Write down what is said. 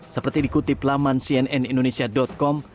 seperti dikutip laman cnnindonesia com